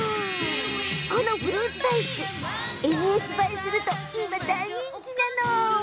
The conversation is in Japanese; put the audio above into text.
このフルーツ大福がＳＮＳ映えすると、今大人気なの。